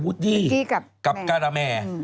วูดดี้กับแมร์อืมกับการาแมร์